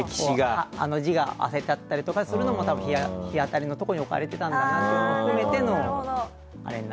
字があせていたりするのも日当たりのところに置かれていたんだなというのも含めての。